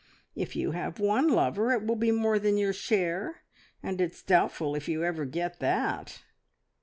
If you have one lover, it will be more than your share; and it's doubtful if you ever get that."